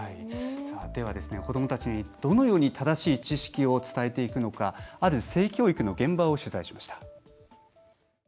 では、子どもたちにどのように正しい知識を伝えていくのかある性教育の現場を取材しました。